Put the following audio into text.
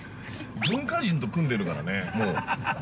文化人と組んでるからね。